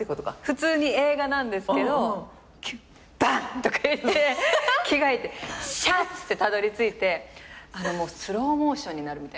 普通に映画なんですけどバッ！とかいって着替えてシャッてたどりついてスローモーションになるみたいな。